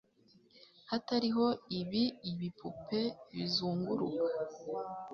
Hatariho ibi ibipupe bizunguruka